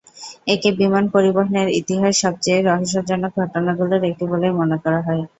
একে বিমান পরিবহনের ইতিহাসে সবচেয়ে রহস্যজনক ঘটনাগুলোর একটি বলেই মনে করা হয়।